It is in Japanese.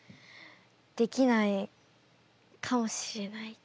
できないかもしれないって。